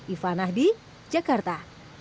iva nahdi jakarta